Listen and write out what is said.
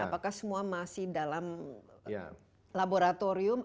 apakah semua masih dalam laboratorium